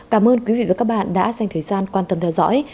cảm ơn quý vị và các bạn đã dành thời gian quan tâm theo dõi